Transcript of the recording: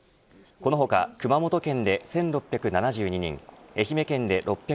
この他、熊本県で１６７２人愛媛県で６０５人